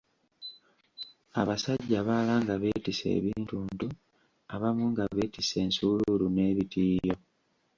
Abasajja abalala nga beetisse ebintuntu, abamu nga beetisse ensuuluulu, n'ebitiiyo.